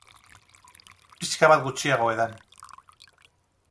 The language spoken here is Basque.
Pixka bat gutxiago edan.